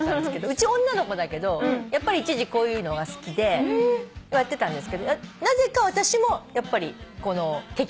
うち女の子だけどやっぱり一時期こういうのが好きでやってたんですけどなぜか私も敵役が多い。